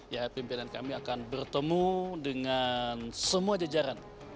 ya pimpinan kami akan bertemu dengan semua jendela jokowi